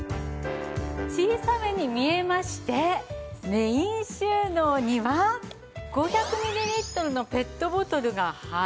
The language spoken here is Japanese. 小さめに見えましてメイン収納には５００ミリリットルのペットボトルが入ります。